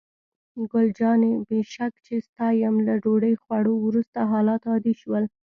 ګل جانې: بې شک چې ستا یم، له ډوډۍ خوړو وروسته حالات عادي شول.